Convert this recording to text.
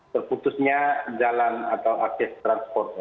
terima kasih pak